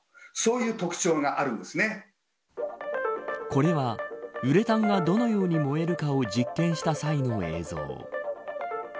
これは、ウレタンがどのように燃えるかを実験した際の映像。